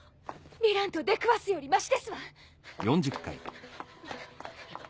⁉ヴィランと出くわすよりマシですわ。